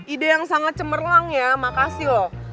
ide yang sangat cemerlang ya makasih loh